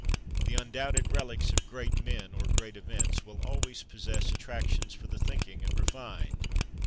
The undoubted relics of great men, or great events, will always possess attractions for the thinking and refined.